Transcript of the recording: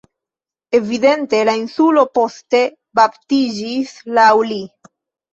Evidente la insulo poste baptiĝis laŭ li.